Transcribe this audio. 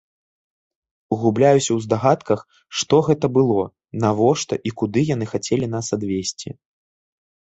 Губляюся ў здагадках, што гэта было, навошта і куды яны хацелі нас адвезці.